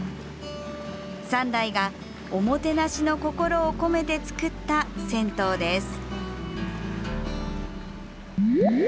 ３代が、おもてなしの心を込めて作った銭湯です。